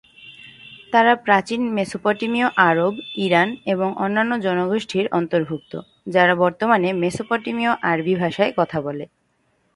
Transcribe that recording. তারা প্রাচীন মেসোপটেমীয় আরব, ইরান, এবং অন্যান্য জনগোষ্ঠীর অন্তর্ভুক্ত, যারা বর্তমানে মেসোপটেমীয় আরবি ভাযায় কথা বলে।